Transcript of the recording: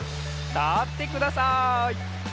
たってください。